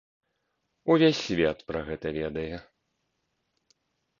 Увесь свет пра гэта ведае.